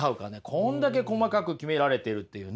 こんだけ細かく決められているっていうね。